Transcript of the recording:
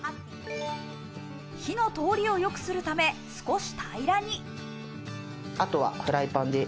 火の通りを良くするため少し平らに。